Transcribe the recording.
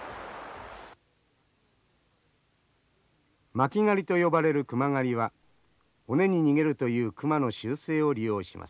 巻き狩りと呼ばれる熊狩りは尾根に逃げるという熊の習性を利用します。